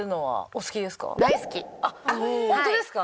あっホントですか？